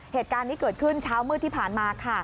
เหตุการณ์นี้เกิดขึ้นเช้ามืดที่ผ่านมาค่ะ